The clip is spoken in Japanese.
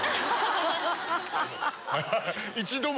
一度も。